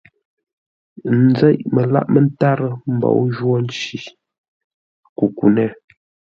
N nzêʼ məlâʼ mə́tárə́ mbǒu jwô nci kukunét.